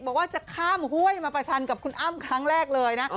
บอกว่าจะข้ามห้วยมาประชันกับคุณอ้ำครั้งแรกเลยนะ